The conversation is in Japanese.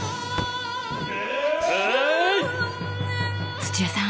土屋さん